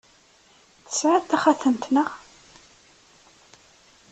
Tesɛiḍ taxatemt, naɣ?